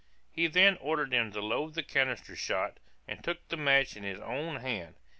He then ordered them to load with canister shot, and took the match in his own hand.